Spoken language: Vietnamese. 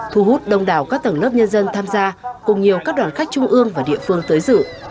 thu hút đông đảo các tầng lớp nhân dân tham gia cùng nhiều các đoàn khách trung ương và địa phương tới dự